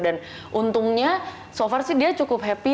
dan untungnya so far sih dia cukup happy